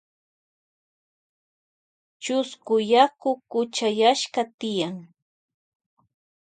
Tyan chusku yaku kuchayashka.